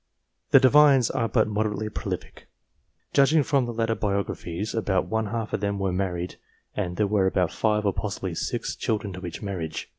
The Divines are but moderately prolific. Judging from the later biographies, about one half of them were married, and there were about 5, or possibly 6, children to each marriage.